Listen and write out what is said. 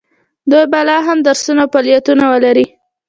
دوی به لا ښه درسونه او فعالیتونه ولري.